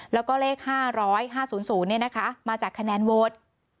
แล้วก็เลข๕๕๐๐มาจากคะแนนโหวต